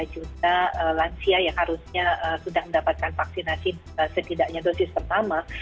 lima juta lansia yang harusnya sudah mendapatkan vaksinasi setidaknya dosis pertama